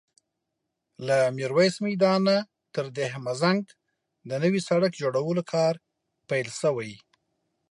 له ميرويس میدان نه تر دهمزنګ د نوي سړک جوړولو کار پیل شوی